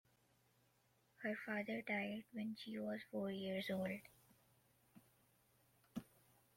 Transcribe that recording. Her father died when she was four years old.